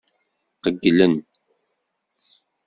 Qeyylen.